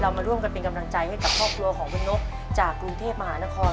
เรามาร่วมกันเป็นกำลังใจให้กับพ่อครัวของเพื่อนนกจากกรูเทพมหานคร